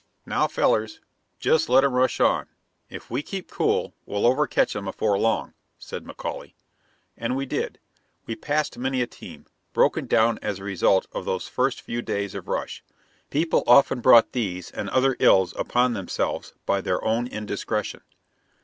"Now, fellers, jist let 'em rush on. If we keep cool, we'll overcatch 'em afore long," said McAuley. And we did. We passed many a team, broken down as a result of those first few days of rush. People often brought these and other ills upon themselves by their own indiscretion.